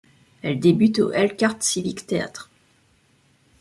Elle débute au Elkhart Civic Théâtre.